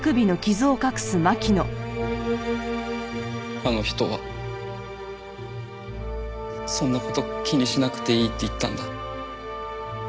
あの人はそんな事気にしなくていいって言ったんだ。